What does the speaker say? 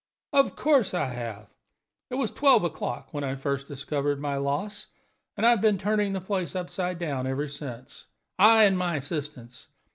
"Of course I have! It was twelve o'clock when I first discovered my loss, and I have been turning the place upside down ever since I and my assistants.